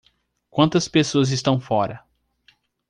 Quantas pessoas estão fora?